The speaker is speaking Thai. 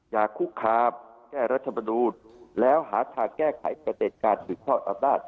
อย่าคุกขามแก้รัฐบาลภูมิและหาทางแก้ไขเฉพาะแต่งการสืบข้ออำนาจ